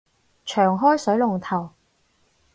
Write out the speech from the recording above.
長開水龍頭